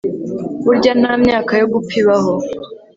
burya nta myaka yo gupfa ibaho